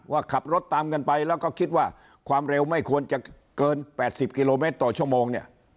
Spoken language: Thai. ว่าขับรถตามกันไปแล้วก็คิดว่าความเร็วไม่ควรจะเกิน๘๐กิโลเมตรต่อชั่วโมงเนี่ย